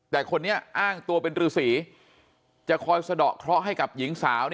แต่คนนี้อ้างตัวเป็นรือสีจะคอยสะดอกเคราะห์ให้กับหญิงสาว